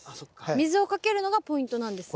水をかけるのがポイントなんですね。